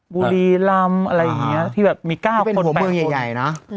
บุรีรำอะไรอย่างนี้ที่แบบมี๙คน๘คน